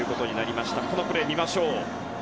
このプレーを見ましょう。